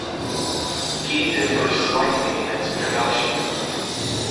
Ghee differs slightly in its production.